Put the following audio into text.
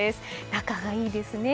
仲がいいですね。